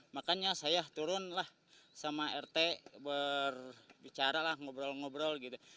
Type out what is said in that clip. makanya saya turun lah sama rt berbicara lah ngobrol ngobrol gitu